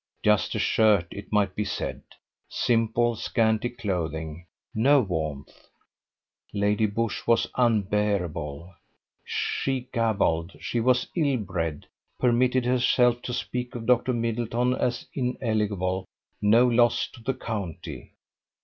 Just a shirt, it might be said: simple scanty clothing, no warmth. Lady Busshe was unbearable; she gabbled; she was ill bred, permitted herself to speak of Dr. Middleton as ineligible, no loss to the county.